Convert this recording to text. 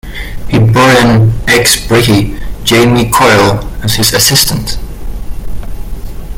He brought in ex-brickie Jamie Coyle as his assistant.